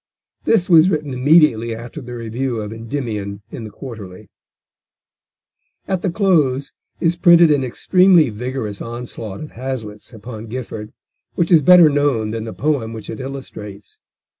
This was written immediately after the review of Endymion in the Quarterly. At the close is printed an extremely vigorous onslaught of Hazlitt's upon Gifford, which is better known than the poem which it illustrates.